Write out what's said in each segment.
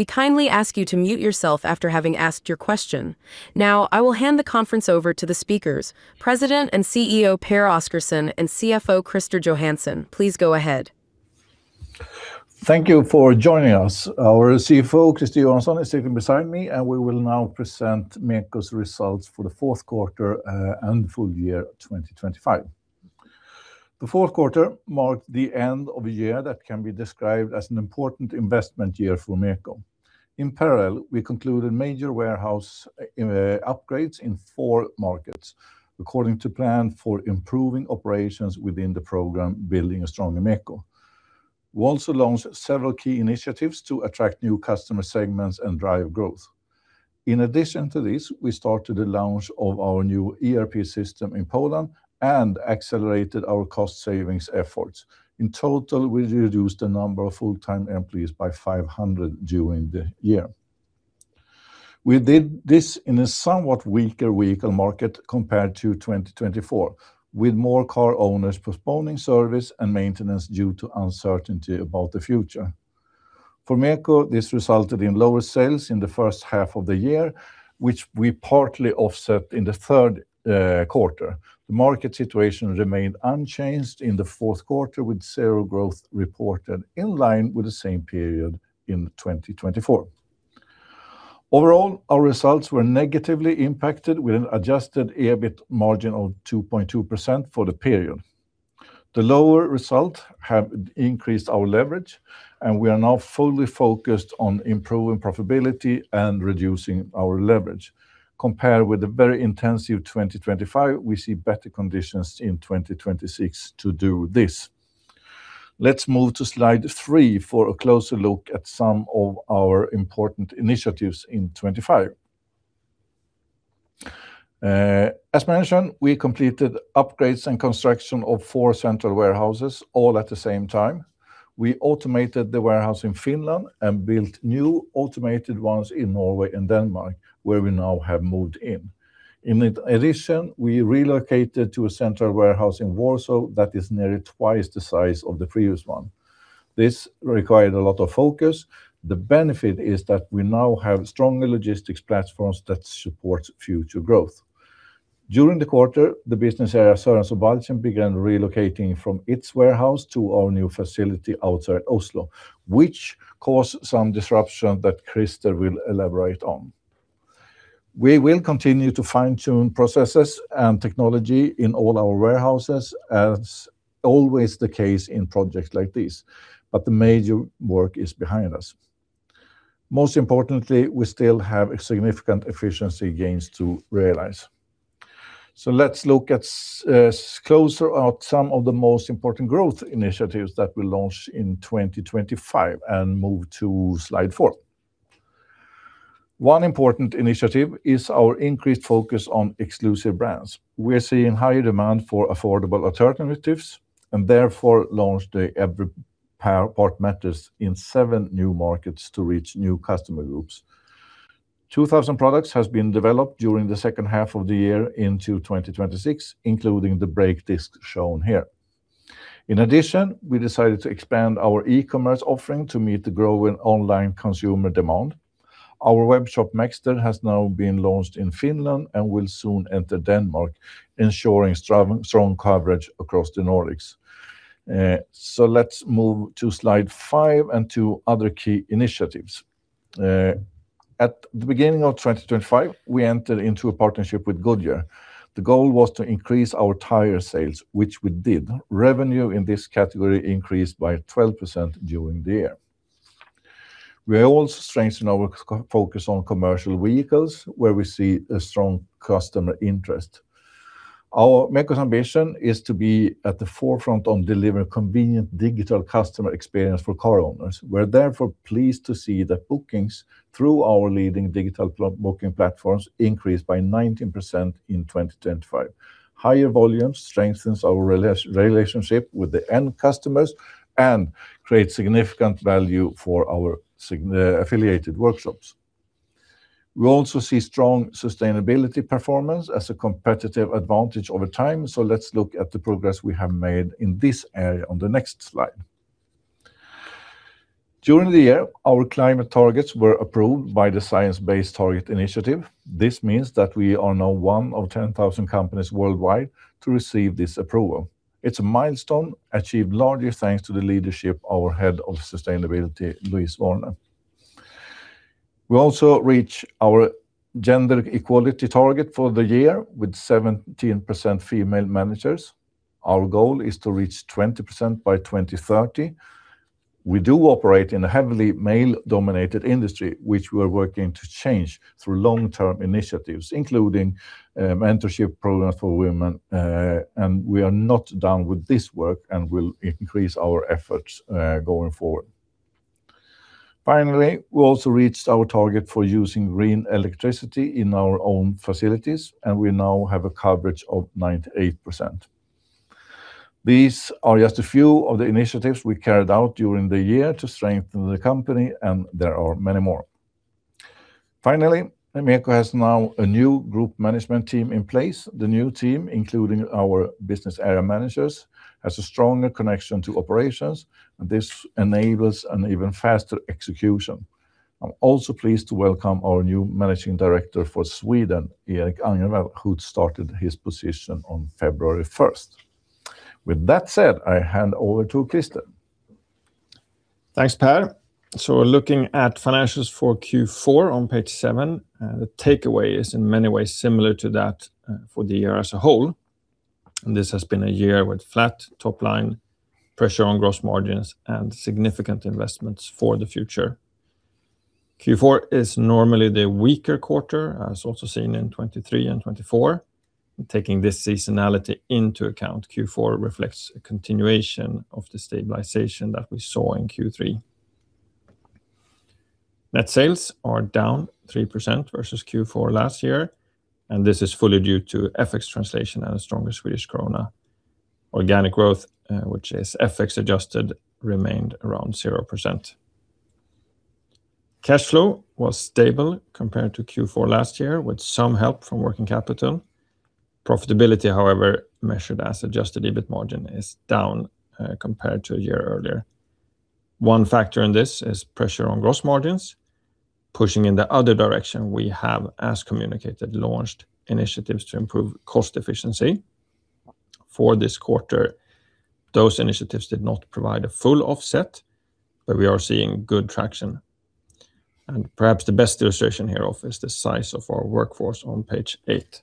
We kindly ask you to mute yourself after having asked your question. Now, I will hand the conference over to the speakers, President and CEO Pehr Oscarson and CFO Christer Johansson. Please go ahead. Thank you for joining us. Our CFO, Christer Johansson, is sitting beside me, and we will now present MEKO's results for the fourth quarter and full year 2025. The fourth quarter marked the end of a year that can be described as an important investment year for MEKO. In parallel, we concluded major warehouse upgrades in four markets, according to plan for improving operations within the program, Building a Stronger MEKO. We also launched several key initiatives to attract new customer segments and drive growth. In addition to this, we started the launch of our new ERP system in Poland and accelerated our cost savings efforts. In total, we reduced the number of full-time employees by 500 during the year. We did this in a somewhat weaker vehicle market compared to 2024, with more car owners postponing service and maintenance due to uncertainty about the future. For MEKO, this resulted in lower sales in the first half of the year, which we partly offset in the third quarter. The market situation remained unchanged in the fourth quarter, with 0% growth reported in line with the same period in 2024. Overall, our results were negatively impacted with an adjusted EBIT margin of 2.2% for the period. The lower result have increased our leverage, and we are now fully focused on improving profitability and reducing our leverage. Compared with a very intensive 2025, we see better conditions in 2026 to do this. Let's move to slide three for a closer look at some of our important initiatives in 2025. As mentioned, we completed upgrades and construction of four central warehouses, all at the same time. We automated the warehouse in Finland and built new automated ones in Norway and Denmark, where we now have moved in. In addition, we relocated to a central warehouse in Warsaw that is nearly twice the size of the previous one. This required a lot of focus. The benefit is that we now have stronger logistics platforms that support future growth. During the quarter, the business area, Sørensen og Balchen, began relocating from its warehouse to our new facility outside Oslo, which caused some disruption that Christer will elaborate on. We will continue to fine-tune processes and technology in all our warehouses, as always the case in projects like this, but the major work is behind us. Most importantly, we still have significant efficiency gains to realize. So let's look closer at some of the most important growth initiatives that we launched in 2025 and move to slide four. One important initiative is our increased focus on exclusive brands. We're seeing higher demand for affordable alternatives, and therefore launched the Every Part Matters in seven new markets to reach new customer groups. 2,000 products has been developed during the second half of the year into 2026, including the brake disc shown here. In addition, we decided to expand our e-commerce offering to meet the growing online consumer demand. Our webshop, Mekster, has now been launched in Finland and will soon enter Denmark, ensuring strong, strong coverage across the Nordics. So let's move to slide five and two other key initiatives. At the beginning of 2025, we entered into a partnership with Goodyear. The goal was to increase our tire sales, which we did. Revenue in this category increased by 12% during the year. We are also strengthening our focus on commercial vehicles, where we see a strong customer interest. Our MEKO's ambition is to be at the forefront on delivering convenient digital customer experience for car owners. We're therefore pleased to see that bookings through our leading digital booking platforms increased by 19% in 2025. Higher volumes strengthens our relationship with the end customers and creates significant value for our affiliated workshops. We also see strong sustainability performance as a competitive advantage over time, so let's look at the progress we have made in this area on the next slide. During the year, our climate targets were approved by the Science Based Targets initiative. This means that we are now one of 10,000 companies worldwide to receive this approval. It's a milestone achieved largely thanks to the leadership of our Head of Sustainability, Louise Werne. We also reach our gender equality target for the year with 17% female managers. Our goal is to reach 20% by 2030. We do operate in a heavily male-dominated industry, which we are working to change through long-term initiatives, including, mentorship programs for women, and we are not done with this work and will increase our efforts, going forward. Finally, we also reached our target for using green electricity in our own facilities, and we now have a coverage of 98%. These are just a few of the initiatives we carried out during the year to strengthen the company, and there are many more. Finally, MEKO has now a new group management team in place. The new team, including our business area managers, has a stronger connection to operations, and this enables an even faster execution. I'm also pleased to welcome our new Managing Director for Sweden, Erik Angervall, who started his position on February 1st. With that said, I hand over to Christer. Thanks, Pehr. So we're looking at financials for Q4 on page seven, and the takeaway is in many ways similar to that for the year as a whole. This has been a year with flat top line, pressure on gross margins, and significant investments for the future. Q4 is normally the weaker quarter, as also seen in 2023 and 2024. Taking this seasonality into account, Q4 reflects a continuation of the stabilization that we saw in Q3. Net sales are down 3% versus Q4 last year, and this is fully due to FX translation and a stronger Swedish krona. Organic growth, which is FX-adjusted, remained around 0%. Cash flow was stable compared to Q4 last year, with some help from working capital. Profitability, however, measured as adjusted EBIT margin, is down compared to a year earlier. One factor in this is pressure on gross margins. Pushing in the other direction, we have, as communicated, launched initiatives to improve cost efficiency. For this quarter, those initiatives did not provide a full offset, but we are seeing good traction. Perhaps the best illustration here of is the size of our workforce on page eight.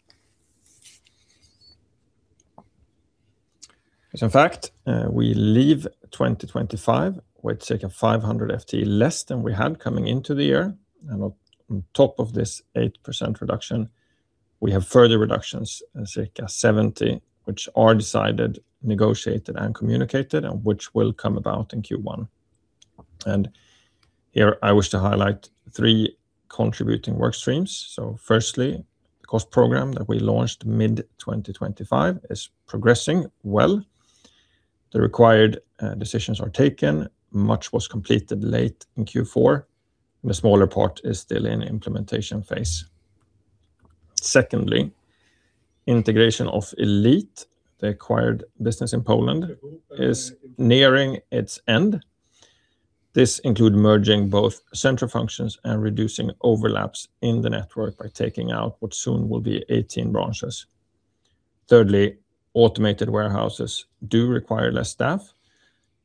In fact, we leave 2025 with circa 500 FTE less than we had coming into the year. And on top of this 8% reduction, we have further reductions, circa 70, which are decided, negotiated, and communicated, and which will come about in Q1. And here I wish to highlight three contributing work streams. Firstly, the cost program that we launched mid-2025 is progressing well. The required decisions are taken, much was completed late in Q4, and a smaller part is still in implementation phase. Secondly, integration of Elit, the acquired business in Poland, is nearing its end. This includes merging both central functions and reducing overlaps in the network by taking out what soon will be 18 branches. Thirdly, automated warehouses do require less staff,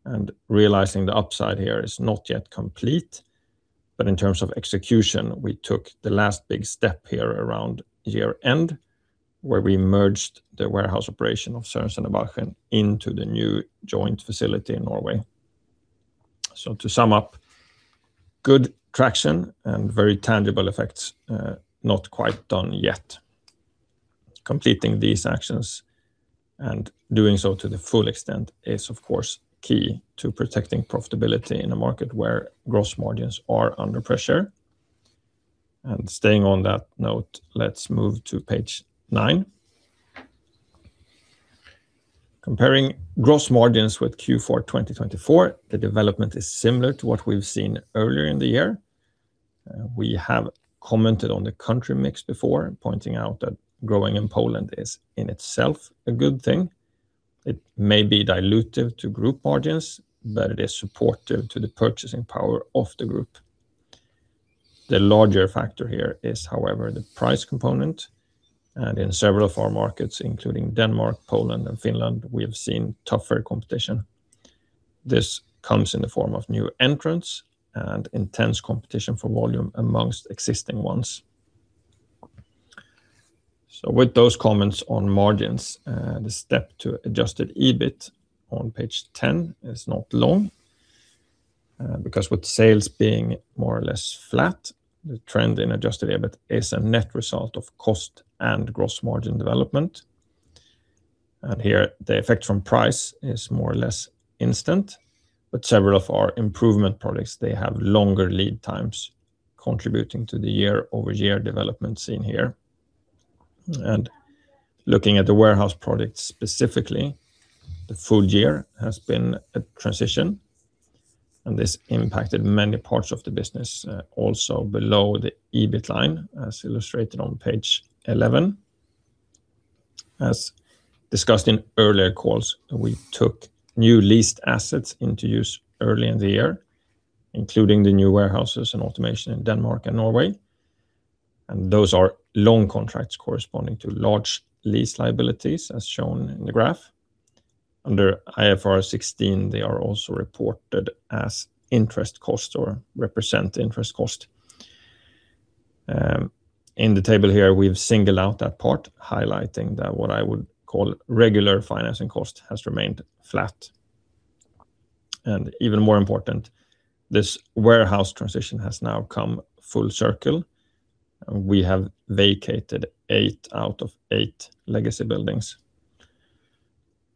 and realizing the upside here is not yet complete. But in terms of execution, we took the last big step here around year-end, where we merged the warehouse operation of Sørensen & Balchen into the new joint facility in Norway. So to sum up, good traction and very tangible effects, not quite done yet. Completing these actions and doing so to the full extent is, of course, key to protecting profitability in a market where gross margins are under pressure. Staying on that note, let's move to page nine. Comparing gross margins with Q4 2024, the development is similar to what we've seen earlier in the year. We have commented on the country mix before, pointing out that growing in Poland is, in itself, a good thing. It may be dilutive to group margins, but it is supportive to the purchasing power of the group. The larger factor here is, however, the price component, and in several of our markets, including Denmark, Poland, and Finland, we have seen tougher competition. This comes in the form of new entrants and intense competition for volume amongst existing ones. So with those comments on margins, the step to adjusted EBIT on page 10 is not long, because with sales being more or less flat, the trend in adjusted EBIT is a net result of cost and gross margin development. And here, the effect from price is more or less instant, but several of our improvement products, they have longer lead times contributing to the year-over-year development seen here. And looking at the warehouse products specifically, the full year has been a transition, and this impacted many parts of the business, also below the EBIT line, as illustrated on page 11. As discussed in earlier calls, we took new leased assets into use early in the year, including the new warehouses and automation in Denmark and Norway, and those are long contracts corresponding to large lease liabilities, as shown in the graph. Under IFRS 16, they are also reported as interest cost or represent interest cost. In the table here, we've singled out that part, highlighting that what I would call regular financing cost has remained flat. And even more important, this warehouse transition has now come full circle. We have vacated eight out of eight legacy buildings.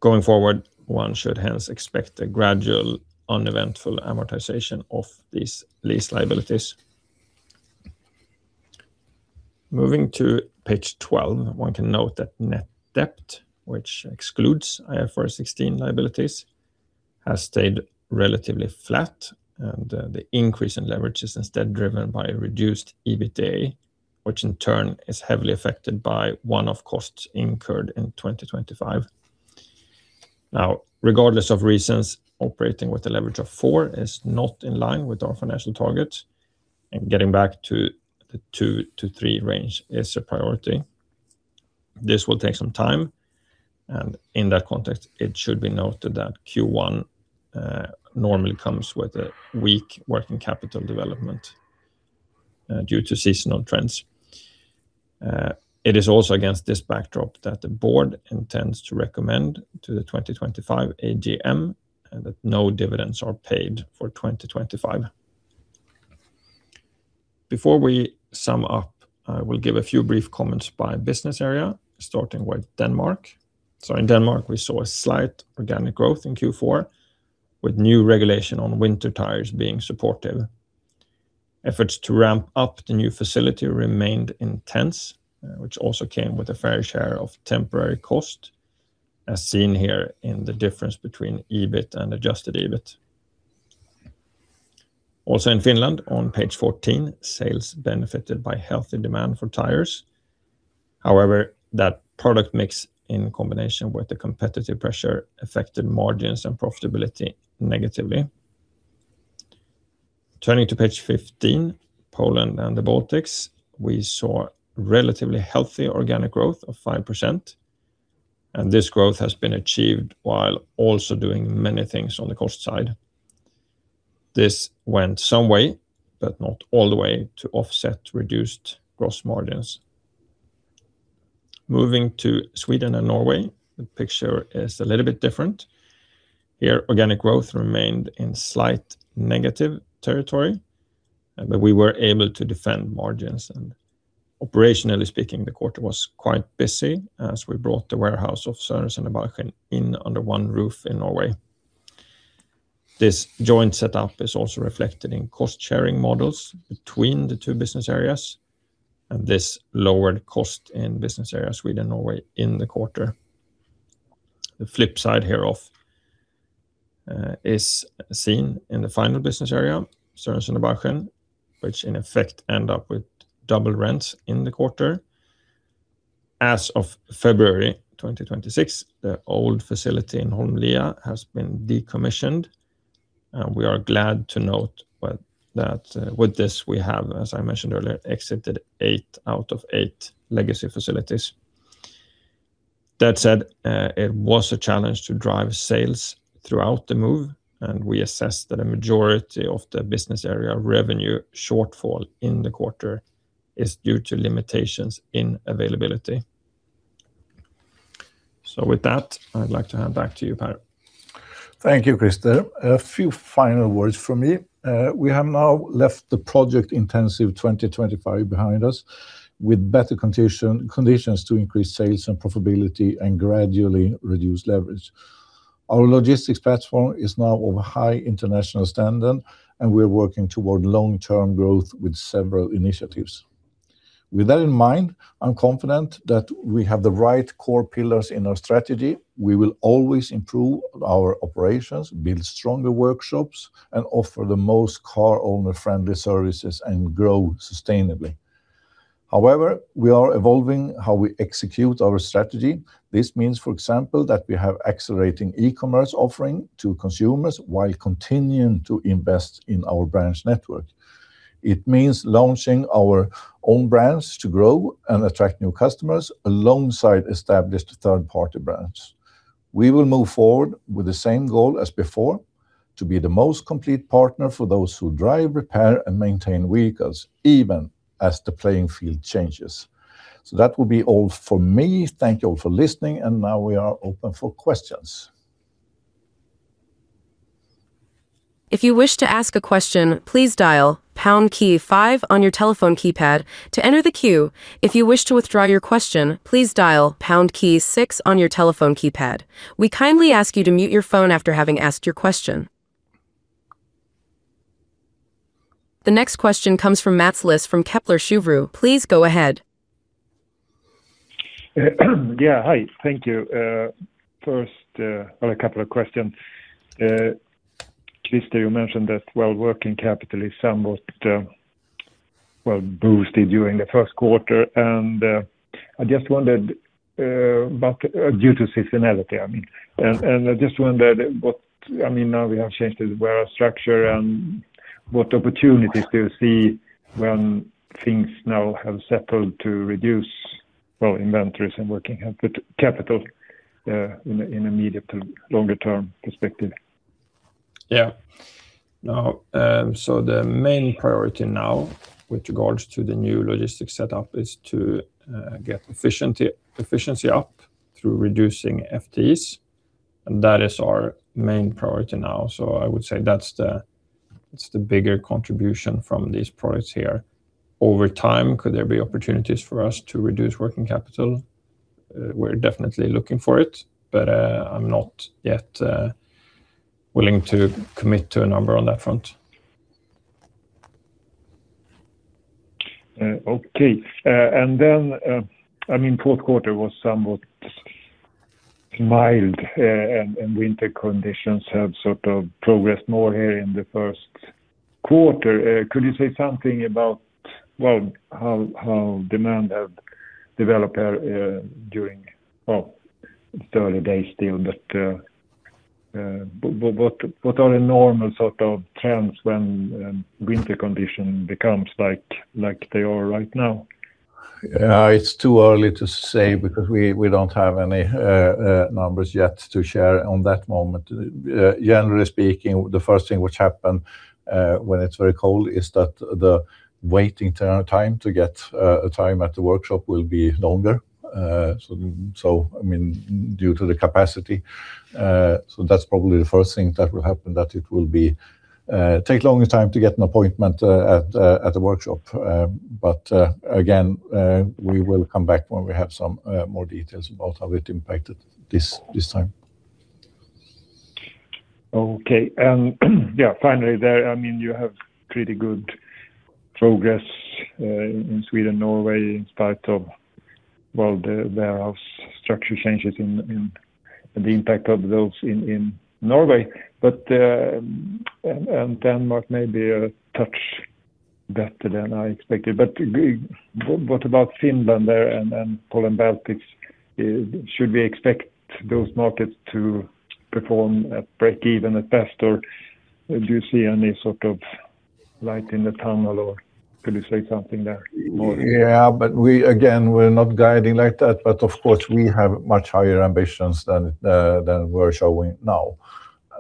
Going forward, one should hence expect a gradual, uneventful amortization of these lease liabilities. Moving to page 12, one can note that net debt, which excludes IFRS 16 liabilities, has stayed relatively flat, and the increase in leverage is instead driven by reduced EBITDA, which in turn is heavily affected by one-off costs incurred in 2025. Now, regardless of reasons, operating with a leverage of 4 is not in line with our financial target, and getting back to the 2-3 range is a priority. This will take some time, and in that context, it should be noted that Q1 normally comes with a weak working capital development due to seasonal trends. It is also against this backdrop that the board intends to recommend to the 2025 AGM, and that no dividends are paid for 2025. Before we sum up, I will give a few brief comments by business area, starting with Denmark. In Denmark, we saw a slight organic growth in Q4, with new regulation on winter tires being supportive. Efforts to ramp up the new facility remained intense, which also came with a fair share of temporary cost, as seen here in the difference between EBIT and Adjusted EBIT. Also in Finland, on page 14, sales benefited by healthy demand for tires. However, that product mix, in combination with the competitive pressure, affected margins and profitability negatively. Turning to page 15, Poland and the Baltics, we saw relatively healthy organic growth of 5%, and this growth has been achieved while also doing many things on the cost side. This went some way, but not all the way, to offset reduced gross margins. Moving to Sweden and Norway, the picture is a little bit different. Here, organic growth remained in slight negative territory, but we were able to defend margins. And operationally speaking, the quarter was quite busy as we brought the warehouse of Sørensen og Balchen in under one roof in Norway. This joint setup is also reflected in cost-sharing models between the two business areas, and this lowered cost in business areas, Sweden and Norway, in the quarter. The flip side hereof is seen in the final business area, Sørensen og Balchen, which in effect end up with double rent in the quarter. As of February 2026, the old facility in Holmlia has been decommissioned, and we are glad to note that with this, we have, as I mentioned earlier, exited 8 out of 8 legacy facilities. That said, it was a challenge to drive sales throughout the move, and we assess that a majority of the business area revenue shortfall in the quarter is due to limitations in availability. So with that, I'd like to hand back to you, Pehr. Thank you, Christer. A few final words from me. We have now left the project-intensive 2025 behind us, with better condition, conditions to increase sales and profitability and gradually reduce leverage. Our logistics platform is now of a high international standard, and we're working toward long-term growth with several initiatives. With that in mind, I'm confident that we have the right core pillars in our strategy. We will always improve our operations, build stronger workshops, and offer the most car owner-friendly services and grow sustainably. However, we are evolving how we execute our strategy. This means, for example, that we have accelerating e-commerce offering to consumers while continuing to invest in our branch network. It means launching our own brands to grow and attract new customers alongside established third-party brands. We will move forward with the same goal as before: to be the most complete partner for those who drive, repair, and maintain vehicles, even as the playing field changes. So that will be all for me. Thank you all for listening, and now we are open for questions. If you wish to ask a question, please dial pound key five on your telephone keypad to enter the queue. If you wish to withdraw your question, please dial pound key six on your telephone keypad. We kindly ask you to mute your phone after having asked your question. The next question comes from Mats Liss from Kepler Cheuvreux. Please go ahead. Yeah, hi. Thank you. First, on a couple of questions. Christer, you mentioned that, well, working capital is somewhat, well, boosted during the first quarter, and, I just wondered, but due to seasonality, I mean. And, I just wondered what... I mean, now we have changed the warehouse structure, and what opportunities do you see when things now have settled to reduce, well, inventories and working capital, in the immediate to longer term perspective? Yeah. Now, so the main priority now with regards to the new logistics setup is to get efficiency, efficiency up through reducing FTEs, and that is our main priority now. So I would say that's the, it's the bigger contribution from these products here. Over time, could there be opportunities for us to reduce working capital? We're definitely looking for it, but I'm not yet willing to commit to a number on that front. Okay. And then, I mean, fourth quarter was somewhat mild, and winter conditions have sort of progressed more here in the first quarter. Could you say something about, well, how demand have developed during, well, it's early days still, but, what are the normal sort of trends when winter condition becomes like they are right now? It's too early to say because we don't have any numbers yet to share on that moment. Generally speaking, the first thing which happened when it's very cold is that the waiting turn time to get a time at the workshop will be longer. So I mean, due to the capacity, that's probably the first thing that will happen, that it will be take longer time to get an appointment at the workshop. But again, we will come back when we have some more details about how it impacted this, this time. Okay. Yeah, finally, there, I mean, you have pretty good progress in Sweden, Norway, in spite of, well, the warehouse structure changes in, in the impact of those in, in Norway. But, and, and Denmark may be a touch better than I expected. But what about Finland there and, and Poland, Baltics? Should we expect those markets to perform at breakeven at best, or do you see any sort of light in the tunnel, or could you say something there more? Yeah, but we again, we're not guiding like that, but of course, we have much higher ambitions than, than we're showing now.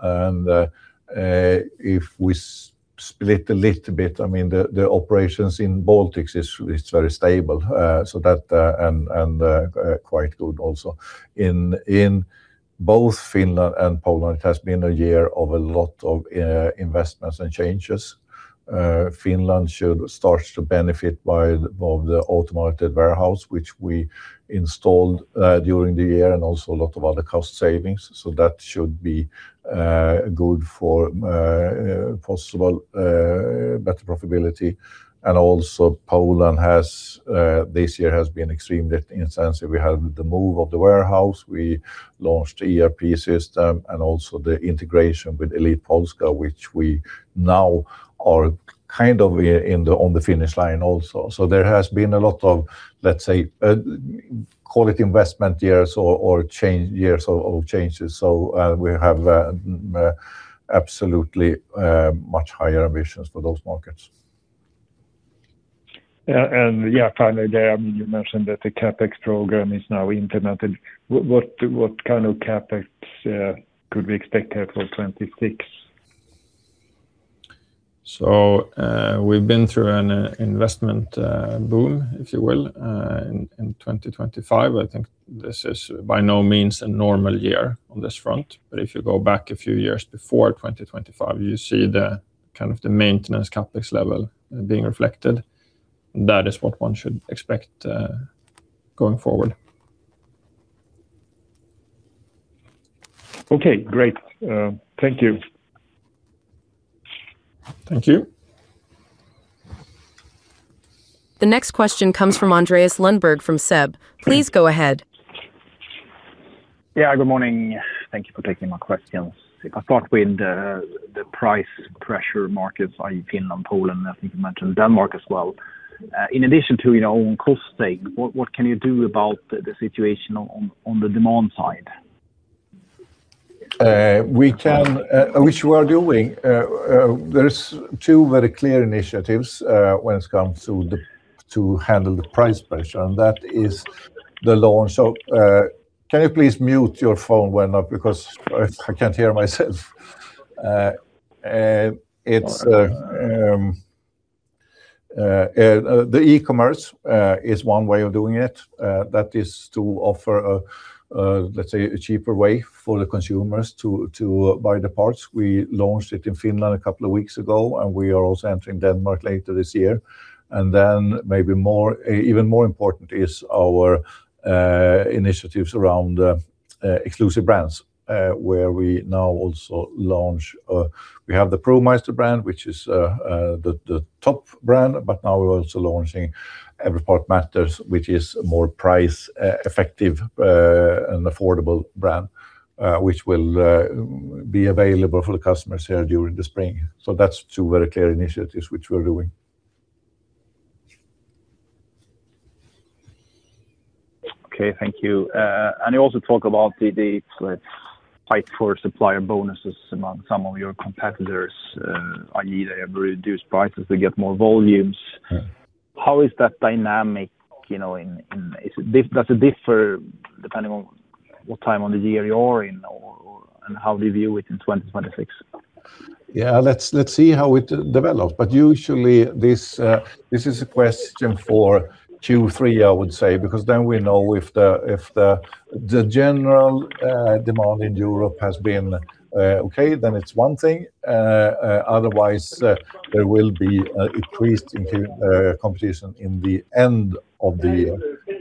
And, if we split a little bit, I mean, the operations in Baltics is very stable. So that, and, quite good also. In both Finland and Poland, it has been a year of a lot of investments and changes. Finland should start to benefit by the, of the automated warehouse, which we installed, during the year, and also a lot of other cost savings. So that should be good for possible better profitability. And also Poland has, this year has been extremely intensive. We had the move of the warehouse, we launched the ERP system, and also the integration with Elit Polska, which we now are kind of in the on the finish line also. So there has been a lot of, let's say, call it investment years or change years of changes. So, we have absolutely much higher ambitions for those markets. Yeah, yeah, finally, there, I mean, you mentioned that the CapEx program is now implemented. What, what kind of CapEx could we expect here for 2026? We've been through an investment boom, if you will, in 2025. I think this is by no means a normal year on this front. But if you go back a few years before 2025, you see the kind of the maintenance CapEx level being reflected. That is what one should expect, going forward. Okay, great. Thank you. Thank you. The next question comes from Andreas Lundberg, from SEB. Please go ahead. Yeah, good morning. Thank you for taking my questions. If I start with the price pressure markets, i.e., Finland, Poland, I think you mentioned Denmark as well. In addition to, you know, cost saving, what can you do about the situation on the demand side? We can, which we are doing. There's two very clear initiatives when it comes to the, to handle the price pressure, and that is the launch. So, can you please mute your phone when up? Because I can't hear myself. It's the e-commerce is one way of doing it. That is to offer a, let's say, a cheaper way for the consumers to buy the parts. We launched it in Finland a couple of weeks ago, and we are also entering Denmark later this year. And then maybe even more important is our initiatives around exclusive brands, where we now also launch. We have the ProMeister brand, which is the top brand, but now we're also launching Every Part Matters, which is more price effective and affordable brand, which will be available for the customers here during the spring. So that's two very clear initiatives which we're doing. Okay, thank you. And you also talk about the let's fight for supplier bonuses among some of your competitors, i.e., they have reduced prices, they get more volumes. How is that dynamic, you know? Does it differ depending on what time of the year you're in or, and how we view it in 2026? Yeah, let's see how it develops. But usually, this is a question for Q3, I would say, because then we know if the general demand in Europe has been okay, then it's one thing, otherwise there will be an increase in competition in the end of the year,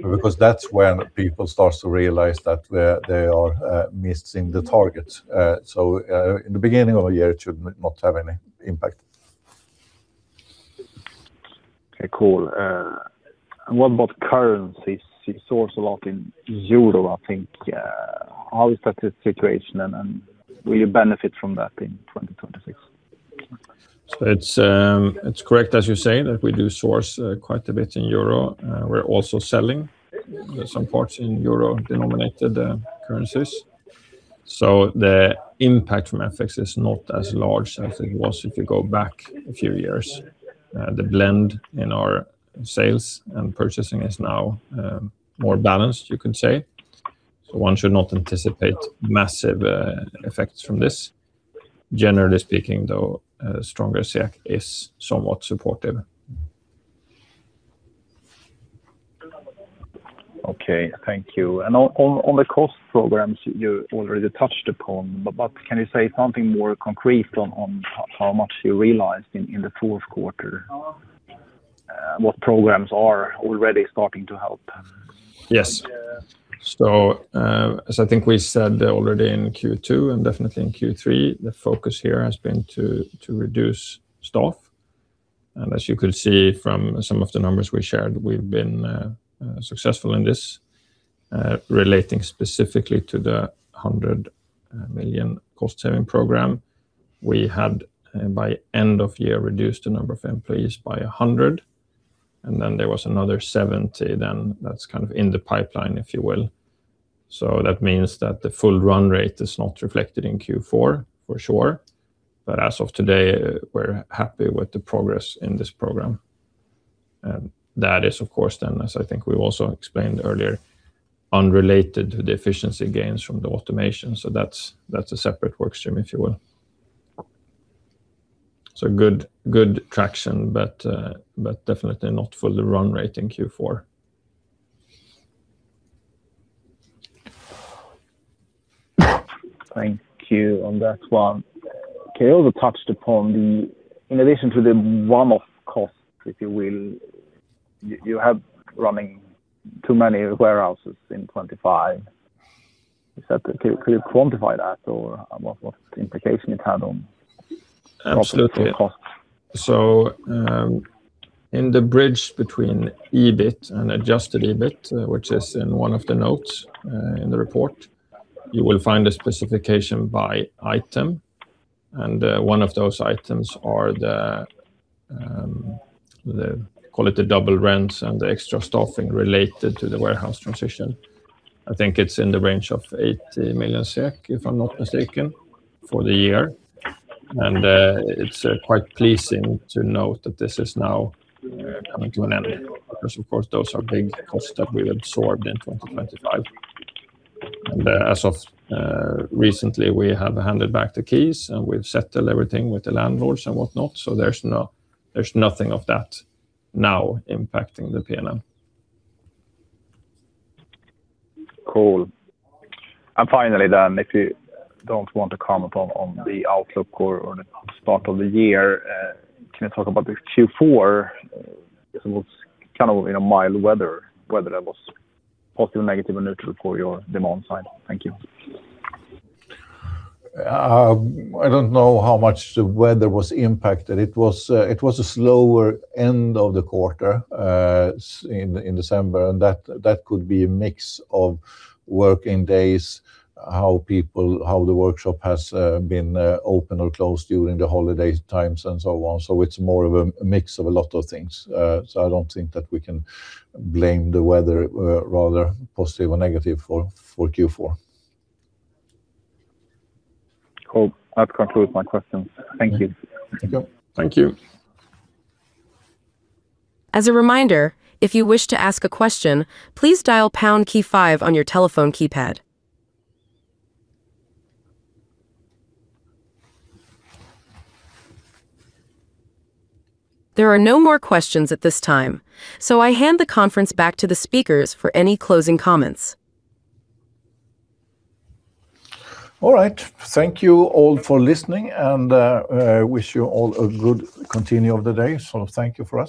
because that's when people start to realize that they're, they are missing the targets. So, in the beginning of the year, it should not have any impact. Okay, cool. And what about currencies? You source a lot in euro, I think. How is that the situation, and then will you benefit from that in 2026? So it's correct, as you say, that we do source quite a bit in euro, and we're also selling some parts in euro-denominated currencies. So the impact from FX is not as large as it was if you go back a few years. The blend in our sales and purchasing is now more balanced, you could say. So one should not anticipate massive effects from this. Generally speaking, though, a stronger SEK is somewhat supportive. Okay, thank you. And on the cost programs you already touched upon, but can you say something more concrete on how much you realized in the fourth quarter? What programs are already starting to help? Yes. So, as I think we said already in Q2 and definitely in Q3, the focus here has been to, to reduce staff. And as you could see from some of the numbers we shared, we've been, successful in this. Relating specifically to the 100 million cost-saving program, we had, by end of year, reduced the number of employees by 100, and then there was another 70, then that's kind of in the pipeline, if you will. So that means that the full run rate is not reflected in Q4, for sure. But as of today, we're happy with the progress in this program. And that is, of course, then, as I think we've also explained earlier, unrelated to the efficiency gains from the automation, so that's, that's a separate work stream, if you will. So, good, good traction, but definitely not the full run rate in Q4. Thank you on that one. Okay, you also touched upon the... In addition to the one-off cost, if you will, you have running too many warehouses in 25. Is that? Can you quantify that, or what implication it had on? Absolutely - costs? So, in the bridge between EBIT and adjusted EBIT, which is in one of the notes, in the report, you will find a specification by item, and, one of those items are the, the call it the double rent and the extra staffing related to the warehouse transition. I think it's in the range of 80 million, if I'm not mistaken, for the year. And, it's, quite pleasing to note that this is now coming to an end. Because, of course, those are big costs that we've absorbed in 2025. And, as of, recently, we have handed back the keys, and we've settled everything with the landlords and whatnot, so there's nothing of that now impacting the P&L. Cool. And finally, if you don't want to comment on the outlook or the start of the year, can you talk about the Q4? It was kind of in a mild weather, whether that was positive, negative, or neutral for your demand side. Thank you. I don't know how much the weather was impacted. It was a slower end of the quarter in December, and that could be a mix of working days, how the workshop has been open or closed during the holiday times and so on. So it's more of a mix of a lot of things. So I don't think that we can blame the weather rather positive or negative for Q4. Cool. That concludes my questions. Thank you. Thank you. Thank you. As a reminder, if you wish to ask a question, please dial pound key five on your telephone keypad. There are no more questions at this time, so I hand the conference back to the speakers for any closing comments. All right. Thank you all for listening, and, I wish you all a good continue of the day. So thank you for-